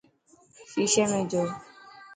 شيشي ۾ جو.